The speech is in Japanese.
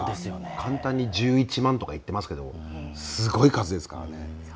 簡単に１１万とか言ってますけどすごい数ですから。